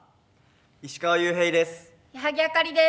石川裕平です。